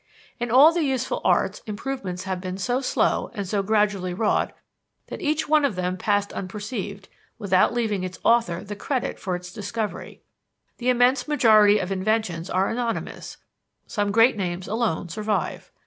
In all the useful arts improvements have been so slow, and so gradually wrought, that each one of them passed unperceived, without leaving its author the credit for its discovery. The immense majority of inventions are anonymous some great names alone survive.